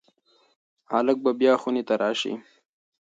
هلک به بیا خونې ته راشي.